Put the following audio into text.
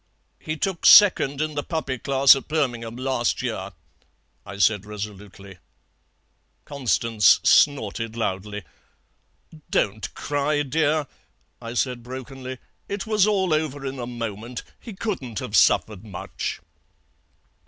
"'He took second in the puppy class at Birmingham last year,' I said resolutely. "Constance snorted loudly. "'Don't cry, dear,' I said brokenly; 'it was all over in a moment. He couldn't have suffered much.'